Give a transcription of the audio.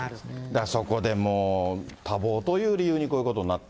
だから、そこでもう多忙という理由に、こういうことになる。